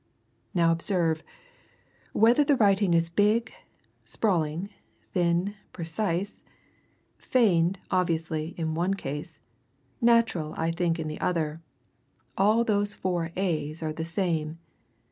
Now observe whether the writing is big, sprawling, thin, precise; feigned, obviously, in one case, natural, I think, in the other, all those four a's are the same!